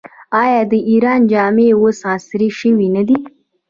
آیا د ایران جامې اوس عصري شوې نه دي؟